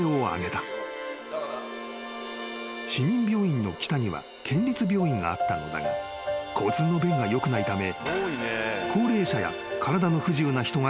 ［市民病院の北には県立病院があったのだが交通の便がよくないため］